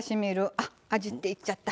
あっ「あじ」って言っちゃった。